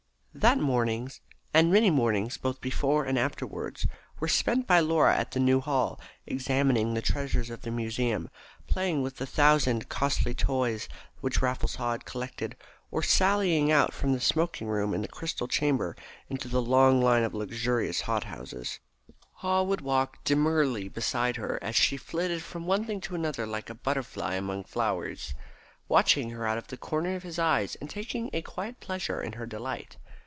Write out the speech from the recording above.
That morning, and many mornings both before and afterwards, were spent by Laura at the New Hall examining the treasures of the museum, playing with the thousand costly toys which Raffles Haw had collected, or sallying out from the smoking room in the crystal chamber into the long line of luxurious hot houses. Haw would walk demurely beside her as she flitted from one thing to another like a butterfly among flowers, watching her out of the corner of his eyes, and taking a quiet pleasure in her delight.